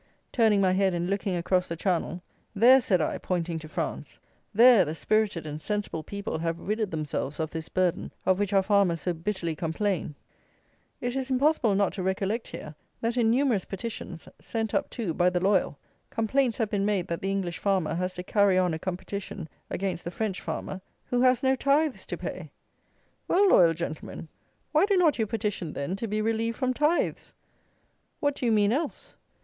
Turning my head, and looking across the Channel, "There," said I, pointing to France, "There the spirited and sensible people have ridded themselves of this burden, of which our farmers so bitterly complain." It is impossible not to recollect here, that, in numerous petitions, sent up, too, by the loyal, complaints have been made that the English farmer has to carry on a competition against the French farmer who has no tithes to pay! Well, loyal gentlemen, why do not you petition, then, to be relieved from tithes? What do you mean else?